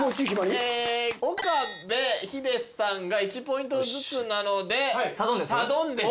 岡部ヒデさんが１ポイントずつなのでサドンデス。